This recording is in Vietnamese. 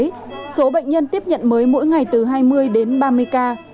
trong đó có khoảng bốn mươi bệnh nhân tiếp nhận mới mỗi ngày từ hai mươi đến ba mươi ca